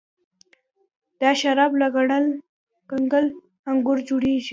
دا شراب له کنګل انګورو جوړیږي.